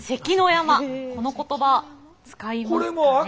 この言葉使いますかね？